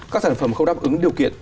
các sản phẩm không đáp ứng điều kiện